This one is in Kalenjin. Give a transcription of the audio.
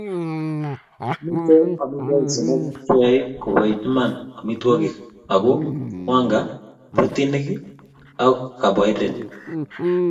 mito amitwogik somoku che yoe koboit iman amitwogik aku; wanga, protinik ak kaboaidret